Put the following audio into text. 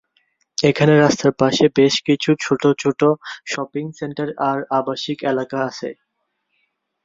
এখানে রাস্তার পাশে বেশ কিছু ছোট ছোট শপিং সেন্টার আর আবাসিক এলাকা আছে।